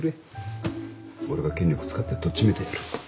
俺が権力使ってとっちめてやる。